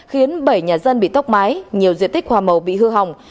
khiến bảy nhà dân bị tốc máy nhiều diện tích hòa màu bị hư hồng